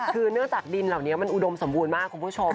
คือเนื่องจากดินเหล่านี้มันอุดมสมบูรณ์มากคุณผู้ชม